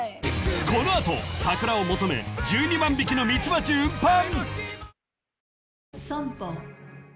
［この後桜を求め１２万匹のミツバチ運搬］